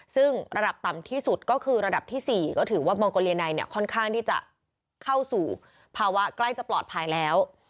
ซึ่งระดับต่ำที่สุดก็คือระดับที่๔ก็ถือว่ามองโกเลียไนเนี่ยค่อนข้างที่จะเข้าสู่ภาวะใกล้จะปลอดภัยแล้ว